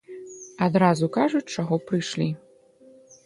Адразу кажуць, чаго прыйшлі.